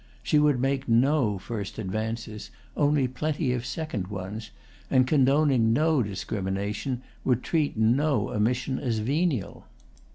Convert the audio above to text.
She would make no first advances, only plenty of second ones, and, condoning no discrimination, would treat no omission as venial.